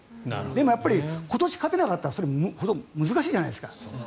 でも今年勝てなかったら難しいじゃないですか。